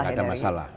oh ya tidak ada masalah